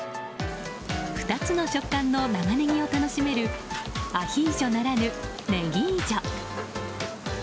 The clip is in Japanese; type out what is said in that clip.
２つの食感の長ネギを楽しめるアヒージョならぬネギージョ。